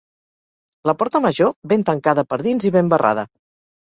La porta major, ben tancada per dins i ben barrada